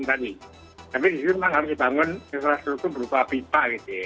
tapi di situ memang harus dibangun yang salah satu berupa pipa